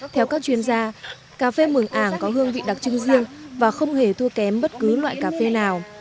theo các chuyên gia cà phê mường ảng có hương vị đặc trưng riêng và không hề thua kém bất cứ loại cà phê nào